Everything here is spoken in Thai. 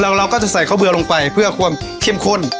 เราก็จะใส่ข้าวเบือลงไปเพื่อความเข้มข้น